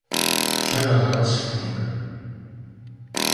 Цаг агаараас шалтгаалдаг.